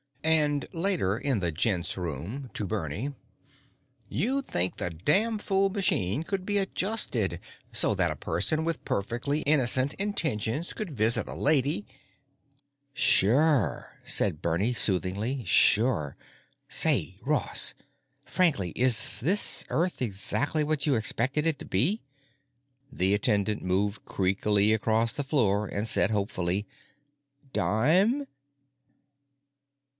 And later in the gents' room, to Bernie: "You'd think the damn fool machine could be adjusted so that a person with perfectly innocent intentions could visit a lady——" "Sure," said Bernie soothingly, "sure. Say, Ross, frankly, is this Earth exactly what you expected it to be?" The attendant moved creakily across the floor and said hopefully, "Dime?"